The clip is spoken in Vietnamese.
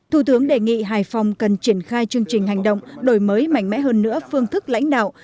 thủ tướng đề nghị hải phòng cần triển khai chương trình hành động đổi mới mạnh mẽ hơn nữa phương thức lãnh đạo